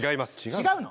違うの？